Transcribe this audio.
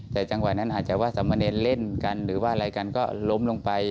แต่จังหวะนั้นอาจจะว่าสามเณรเล่นกันหรือว่าอะไรกันก็ล้มลงไป